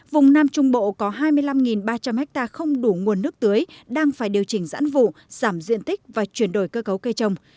vùng nam trung bộ có hai mươi năm ba trăm linh ha không đủ nguồn nước tưới đang phải điều chỉnh giãn vụ giảm diện tích và chuyển đổi cơ cấu cây trồng